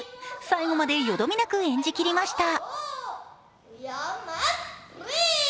最後までよどみなく演じきりました。